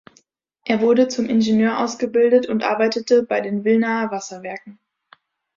Er wurde zum Ingenieur ausgebildet und arbeitete bei den Wilnaer Wasserwerken.